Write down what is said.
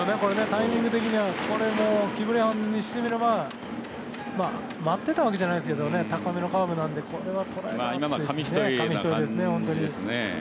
タイミング的には、これもキブレハンにしてみれば待ってたわけじゃないですけど高めなカーブなんで紙一重ですね。